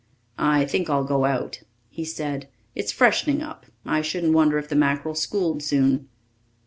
"I think I'll go out," he said. "It's freshening up. I shouldn't wonder if the mackerel schooled soon."